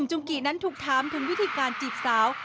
จุงกินั้นถูกถามถึงวิธีการจีบสาว